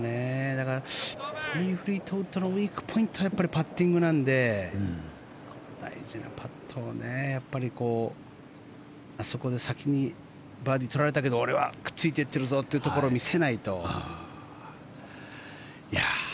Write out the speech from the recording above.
だからトミー・フリートウッドのウィークポイントはやっぱりパッティングなので大事なパットをあそこで先にバーディー取られたけど俺はくっついていってるぞというところを見せないと。